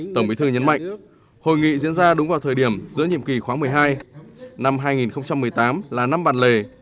tổng bí thư nhấn mạnh hội nghị diễn ra đúng vào thời điểm giữa nhiệm kỳ khóa một mươi hai năm hai nghìn một mươi tám là năm bản lề